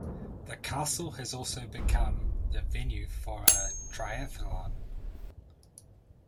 The castle has also become the venue for a triathlon.